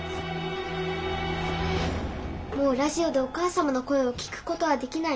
もうラジオでお母様の声を聞く事はできないの？